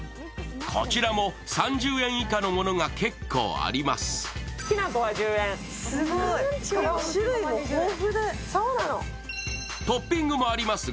こちらも３０円以下のものが結構あります。